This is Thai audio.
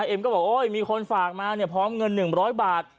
เอ็มก็บอกโอ๊ยมีคนฝากมาพร้อมเงิน๑๐๐บาท